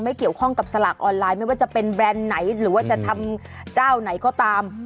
เกี่ยวข้องกับสลากออนไลน์ไม่ว่าจะเป็นแบรนด์ไหนหรือว่าจะทำเจ้าไหนก็ตาม